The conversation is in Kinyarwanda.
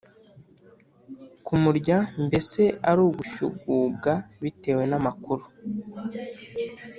kumurya mbese ari gushyugubwa bitewe namakuru